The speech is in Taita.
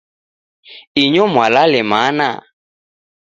Inyo mwalale mana?